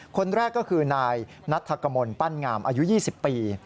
คนแรกก็คือนายนัทธกมลปั้นงามอายุ๒๐ปี